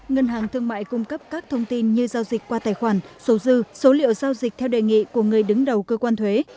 ngân hàng thương mại cung cấp các thông tin như giao dịch qua tài khoản số dư số liệu giao dịch theo đề nghị của người đứng đầu cơ quan thuế